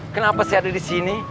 kenapa sih ada disini